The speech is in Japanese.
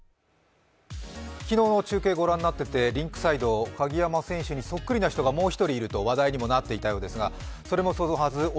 昨日中継御覧になっててリンクサイド、鍵山選手にそっくりな人がもう１人いると話題にもなっていたようですが、それもそのはず